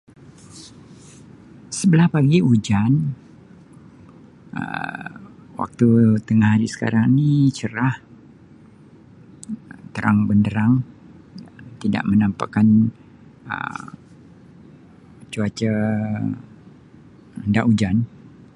Sebelah pagi ujan. Um Waktu tengahari sekarang ni cerah terang benderang tidak menampakkan Um cuaca hendak ujan.